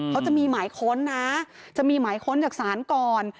เขาจะมีหมายค้นนะจะมีหมายค้นจากศาลก่อน